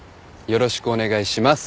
よろしくお願いします。